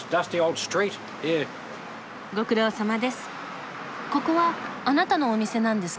ご苦労さまです。